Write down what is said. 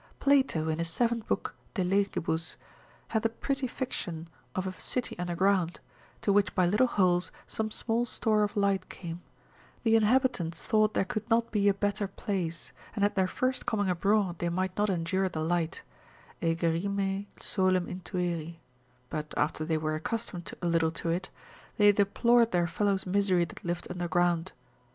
Plato, in. his seventh book De Legibus, hath a pretty fiction of a city under ground, to which by little holes some small store of light came; the inhabitants thought there could not be a better place, and at their first coming abroad they might not endure the light, aegerrime solem intueri; but after they were accustomed a little to it, they deplored their fellows' misery that lived under ground.